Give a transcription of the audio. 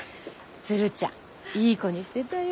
鶴ちゃんいい子にしてたよ。